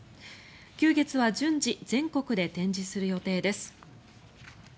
久月は順次、全国で展示する予定です。